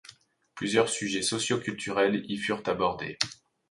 Plusieurs sujets socio-culturels y furent abordés.